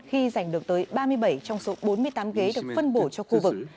khi giành được tới ba mươi bảy trong số bốn mươi tám ghế được phân bổ cho khu vực